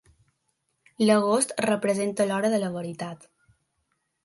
L'agost representa l'hora de la veritat.